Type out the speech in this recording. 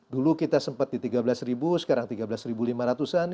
dulu kita sempat di tiga belas sekarang tiga belas lima ratus an